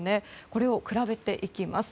これを比べていきます。